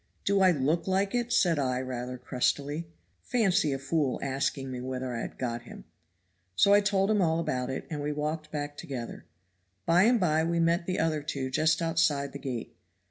'Do I look like it?' said I rather crustily. Fancy a fool asking me whether I had got him! So I told him all about it, and we walked back together. By and by we met the other two just outside the gate.